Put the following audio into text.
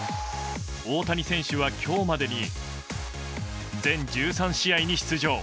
大谷選手は今日までに全１３試合に出場。